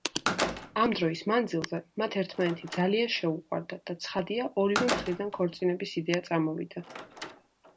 ამ დროის მანძილზე, მათ ერთმანეთი ძალიან შეუყვარდათ და ცხადია ორივე მხრიდან ქორწინების იდეა წამოვიდა.